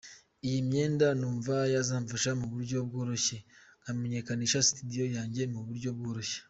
Iyi myenda numva yazamfasha mu buryo bworoshye nkamenyekanisha studio yanjye mu buryo bworoshye.